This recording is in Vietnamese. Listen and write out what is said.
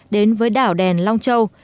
đến với đảo đèn long châu